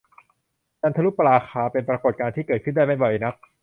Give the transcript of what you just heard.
จันทรุปราคา เป็นปรากฎการณ์ที่เกิดขึ้นได้ไม่บ่อยนัก